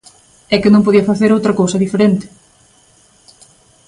É que non podían facer outra cousa diferente.